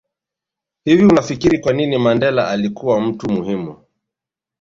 Hivi unafikiri kwanini Mandela alikua mtu muhimu